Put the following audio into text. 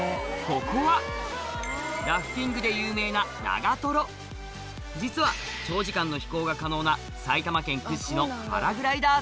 ここはラフティングで有名な実は長時間の飛行が可能な埼玉県屈指のパラグライダー